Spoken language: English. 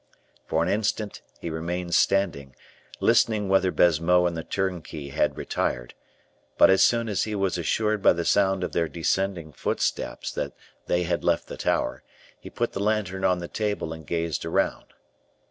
For an instant he remained standing, listening whether Baisemeaux and the turnkey had retired; but as soon as he was assured by the sound of their descending footsteps that they had left the tower, he put the lantern on the table and gazed around.